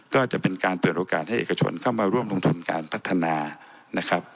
ก็จะเป็นการเปิดโอกาสให้เอกชนเข้ามาร่วมลงทุนการพัฒนานะครับ